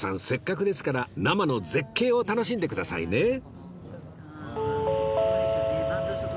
せっかくですから生の絶景を楽しんでくださいね